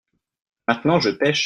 maintenant je pêche.